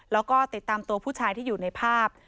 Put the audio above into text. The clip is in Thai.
แล้วก็ติดตามตัวผู้ชายที่อยู่ในภาพ